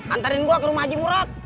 antarin gue ke rumah haji murad